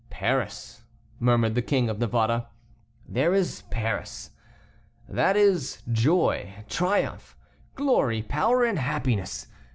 "Paris," murmured the King of Navarre, "there is Paris; that is, joy, triumph, glory, power, and happiness.